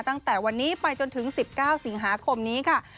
ตั้งแต่วันนี้ไปจนถึง๑๙สิงหาคมนี้ค่ะ